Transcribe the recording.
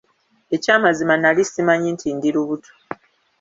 Eky'amazima nnali ssimanyi nti ndi lubuto.